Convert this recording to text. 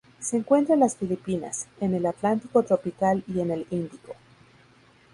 Se encuentra en las Filipinas, en el Atlántico tropical y en el Índico.